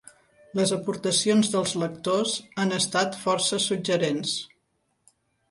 Les aportacions dels lectors han estat força suggerents.